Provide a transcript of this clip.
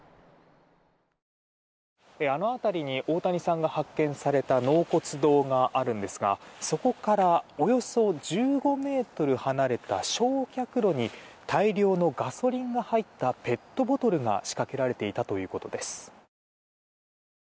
あの辺りに大谷さんが発見された納骨堂があるんですがそこからおよそ１５ｍ離れた焼却炉に大量のガソリンが入ったペットボトルが仕掛けられていたということです。